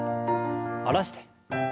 下ろして。